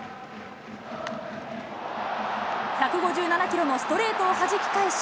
１５７キロのストレートをはじき返し